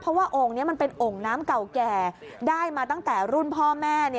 เพราะว่าองค์นี้มันเป็นโอ่งน้ำเก่าแก่ได้มาตั้งแต่รุ่นพ่อแม่